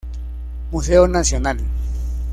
Museo Nacional.